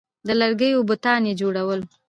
د لرګیو بتان یې جوړول